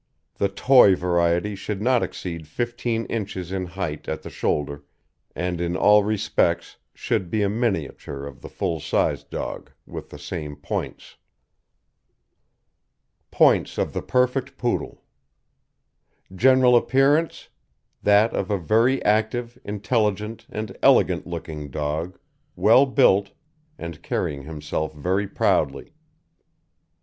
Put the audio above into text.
The toy variety should not exceed fifteen inches in height at the shoulder, and in all respects should be a miniature of the full sized dog, with the same points. POINTS OF THE PERFECT POODLE: GENERAL APPEARANCE That of a very active, intelligent, and elegant looking dog, well built, and carrying himself very proudly.